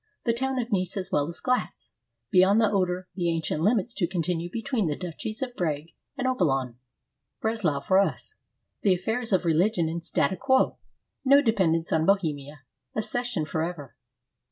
The town of Neiss as well as Glatz. Beyond the Oder the ancient limits to continue between the duchies of Brieg and Oppelon. Breslau for us. The affairs of re ligion in statu quo. No dependence on Bohemia; a ces sion forever.